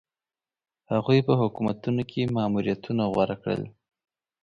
هغوی په حکومتونو کې ماموریتونه غوره کړل.